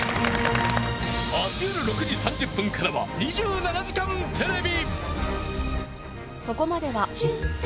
［明日夜６時３０分からは『２７時間テレビ』！］